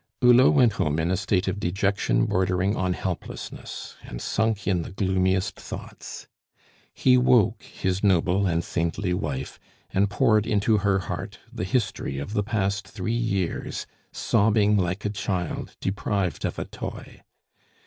Hulot went home in a state of dejection bordering on helplessness, and sunk in the gloomiest thoughts. He woke his noble and saintly wife, and poured into her heart the history of the past three years, sobbing like a child deprived of a toy.